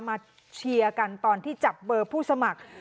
เชียร์กันตอนที่จับเบอร์ผู้สมัคร